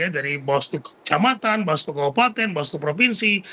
dari bawah suhu kecamatan bawah suhu kewabatan bawah suhu provinsi